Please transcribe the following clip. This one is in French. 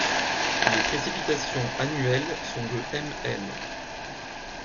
Les précipitations annuelles sont de ml.